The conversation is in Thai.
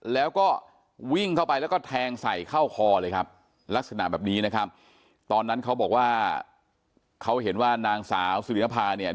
ลักษณะแบบนี้นะครับตอนนั้นเขาบอกว่าเขาเห็นว่านางสาวสุรินภาษาเนี่ย